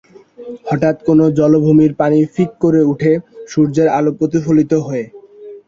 হঠাৎ কোনো জলাভূমির পানি ঝিক করে ওঠে সূর্যের আলো প্রতিফলিত হয়ে।